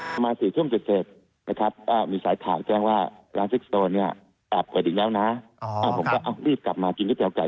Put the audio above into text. แล้วผมก็รีบกลับมาเรียกเทียมไฟเตอร์ไกล